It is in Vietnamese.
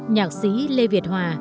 nhạc sĩ lê việt hòa